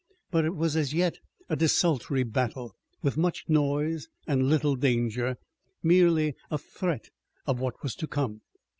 But it was as yet a desultory battle, with much noise and little danger, merely a threat of what was to come.